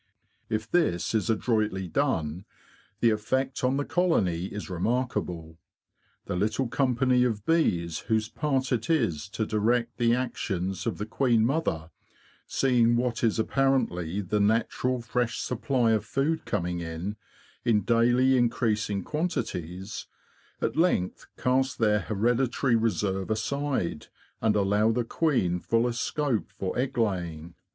If this is adroitly done, the effect on the colony is remarkable. The little company of bees whose part it is to direct the actions of the queen mother, seeing what is apparently the natural fresh supply of food coming in, in daily increasing quantities, at length cast their hereditary reserve aside, and allow the queen fullest scope for egg laying.